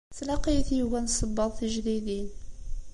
Tlaq-iyi tyuga n ṣebbaḍ tijdidin.